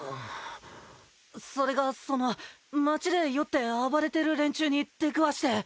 それがその街で酔って暴れてる連中に出くわして。